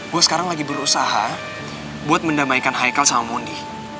gue sekarang lagi berusaha buat mendamaikan haikal sama mundi